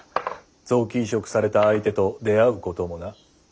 臓器移植された相手と出会うこともな。